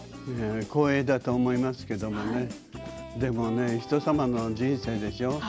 光栄だと思いますけどもねでもね、人様の人生でしょ